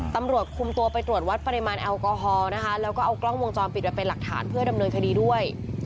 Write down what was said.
ตำรวจคุมตัวไปตรวจวัดปริมาณแอลกอฮอล์นะคะแล้วก็เอากล้องวงจรปิดไปเป็นหลักฐานเพื่อดำเนินคดีด้วย